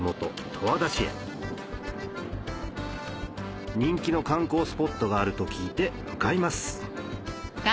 十和田市へ人気の観光スポットがあると聞いて向かいます